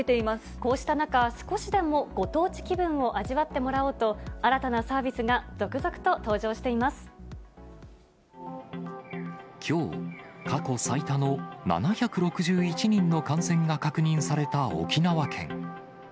こうした中、少しでもご当地気分を味わってもらおうと、新たなサービスが続々きょう、過去最多の７６１人の感染が確認された沖縄県。